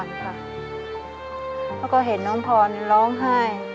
อ่อนค่ะแล้วก็เห็นน้องพรรดิร้องไห้